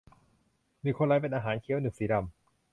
ลิโคไรซ์เป็นอาหารเคี้ยวหนึบสีดำ